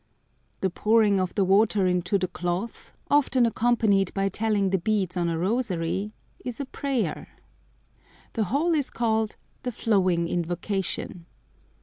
The pouring of the water into the cloth, often accompanied by telling the beads on a rosary, is a prayer. The whole is called "The Flowing Invocation."